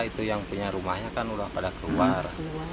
itu yang punya rumahnya kan udah pada keluar